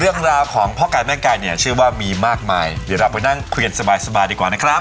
เรื่องราวของพ่อกายแม่งไก่เนี่ยเชื่อว่ามีมากมายเดี๋ยวเราไปนั่งคุยกันสบายดีกว่านะครับ